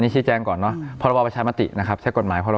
ใช่จับตามกฎหมาย